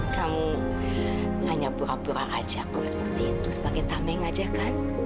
kamu hanya pura pura aja kalau seperti itu sebagai tameng aja kan